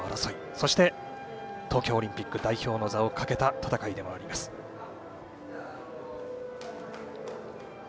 そして、東京オリンピック代表の座をかけた戦いでもあります。